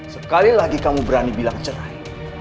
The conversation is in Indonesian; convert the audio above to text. sekali lagi kamu berani bilang cerai